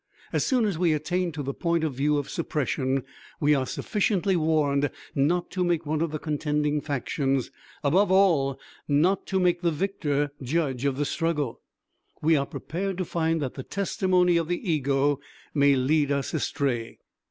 As soon as we attain to the point of view of suppression, we are sufficiently warned not to make one of the contending factions, above all not to make the victor judge of the struggle. We are prepared to find that the testimony of the ego may lead us astray.